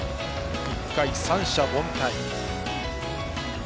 １回、三者凡退。